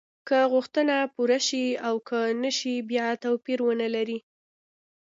که غوښتنه پوره شي او که نشي باید توپیر ونلري.